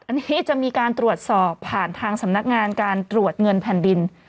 อันนี้จะมีการตรวจสอบผ่านทางสำนักงานการตรวจเงินแผ่นดิน